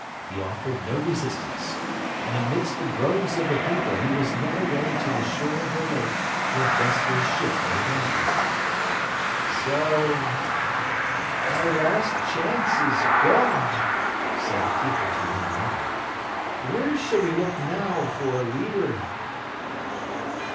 He offered no resistance. And amidst the groans of the people he was led away to the shore of the lake, where Gessler's ship lay at anchor. [Illustration: PLATE XIV] "Our last chance is gone," said the people to one another. "Where shall we look now for a leader?"